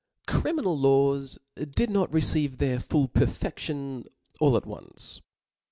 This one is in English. Criminal laws did not receive their full perfcftlon Jail at once.